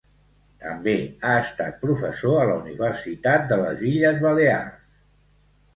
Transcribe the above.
També ha estat professor a la Universitat de les Illes Balears.